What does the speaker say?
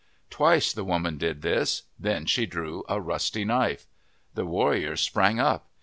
Twice the woman did this. Then she drew a rusty knife. The warrior sprang up.